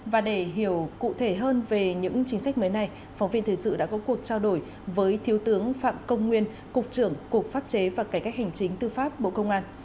và để hiểu cụ thể hơn về những chính sách mới này phóng viên thời sự đã có cuộc trao đổi với thiếu tướng phạm công nguyên cục trưởng cục pháp chế và cải cách hành chính tư pháp bộ công an